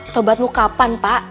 tobatmu kapan pak